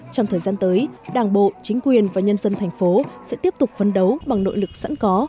trong thời gian tới đảng bộ chính quyền và nhân dân thành phố sẽ tiếp tục phấn đấu bằng nội lực sẵn có